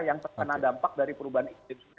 yang terkena dampak dari perubahan iklim